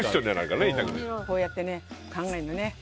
こうやってね、考えるのね。